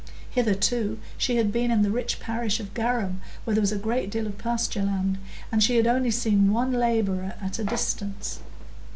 Hitherto she had been in the rich parish of Garum, where was a great deal of pasture land, and she had only seen one labourer at a distance.